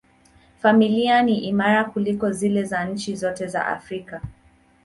Familia ni imara kuliko zile za nchi zote za Afrika.